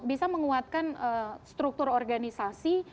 bisa menguatkan struktur organisasi